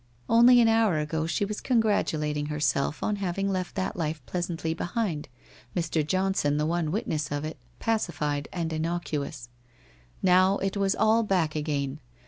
( >nly an hour ago she was congratulating herself on hav ing left that life pleasantly behind, Mr. Johnson the one witness of it, pacified and innocuous. Now it was all back again!